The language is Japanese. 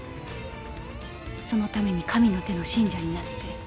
そのために神の手の信者になって。